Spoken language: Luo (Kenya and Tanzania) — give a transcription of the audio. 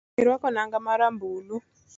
Irwako nanga ma rambulu